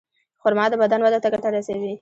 خرما د بدن وده ته ګټه رسوي.